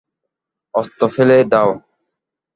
অস্ত্র ফেলে দাও!